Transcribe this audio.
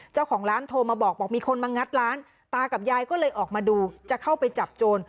เจ้าของร้านโทรมาบอกบอกมีคนมางัดร้านตากับยายก็เลยออกมาดูจะเข้าไปจับโจร